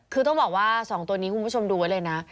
คือต้องบอกว่า๒ตัวนี้คุณผู้ชมดูไว้เลยนะ